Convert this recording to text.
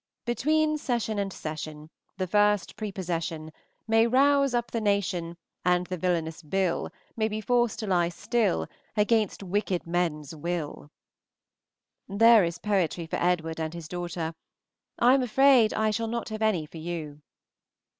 Between Session and Session The first Prepossession May rouse up the Nation, And the villanous Bill May be forced to lie still Against wicked men's will. There is poetry for Edward and his daughter. I am afraid I shall not have any for you.